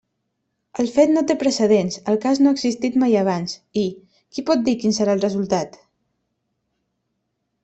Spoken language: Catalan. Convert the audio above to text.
El fet no té precedents; el cas no ha existit mai abans; i ¿qui pot dir quin serà el resultat?